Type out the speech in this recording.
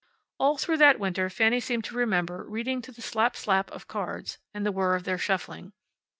All through that winter Fanny seemed to remember reading to the slap slap of cards, and the whir of their shuffling.